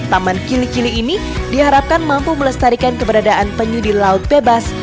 taman kili kili ini diharapkan mampu melestarikan keberadaan penyu di laut bebas